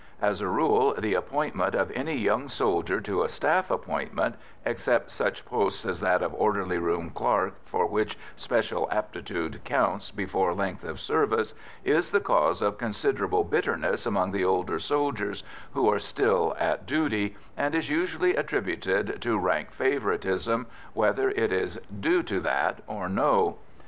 As a rule, the appointment of any young soldier to a staff appointment except such posts as that of orderly room clerk, for which special aptitude counts before length of service is the cause of considerable bitterness among the older soldiers who are still at duty, and is usually attributed to rank favouritism, whether it is due to that or no.